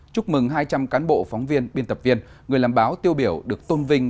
chúc mừng hai trăm linh cán bộ phóng viên biên tập viên người làm báo tiêu biểu được tôn vinh